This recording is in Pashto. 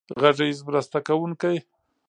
غږیز مرسته کوونکی.